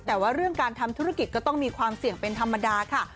แต่ว่าเรื่องการทำธุรกิจก็ต้องมีความเสี่ยงเป็นธรรมดาค่ะ